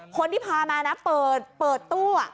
คนที่พามานะเปิดตู้